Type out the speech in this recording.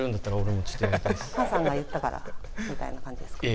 菅さんが言ったからみたいな感じですか？